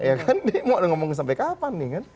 ya kan dia mau ngomongin sampai kapan nih kan